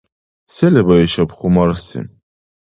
Се леба ишаб хумарси?